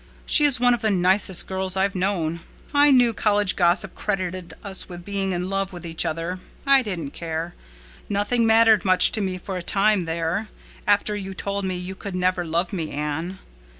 She is one of the nicest girls I've ever known. I knew college gossip credited us with being in love with each other. I didn't care. Nothing mattered much to me for a time there, after you told me you could never love me, Anne.